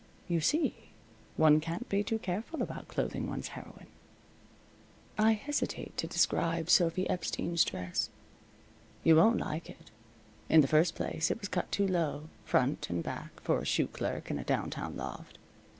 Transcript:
You see, one can't be too careful about clothing one's heroine. I hesitate to describe Sophy Epstein's dress. You won't like it. In the first place, it was cut too low, front and back, for a shoe clerk in a downtown loft.